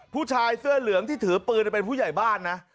ผู้ชายเสื้อเหลืองที่ถือปืนเป็นผู้ใหญ่บ้านนะ